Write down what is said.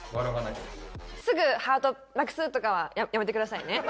すぐハートなくすとかはやめてくださいね。